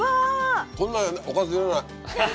こんなおかずいらない。